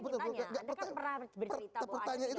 anda kan pernah bercerita bahwa ada tiga kali